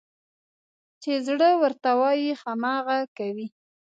چې زړه ورته وايي، هماغه کوي.